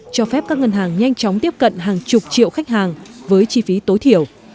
cho phép các ngân hàng nhanh chóng tiếp cận hàng chục triệu khách hàng với chi phí tối thiểu